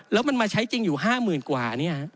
แล้วมันมาใช้จริงอยู่๕๐๐๐กว่า